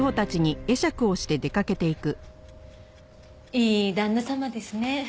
いい旦那様ですね。